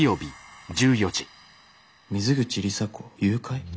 「水口里紗子誘拐」？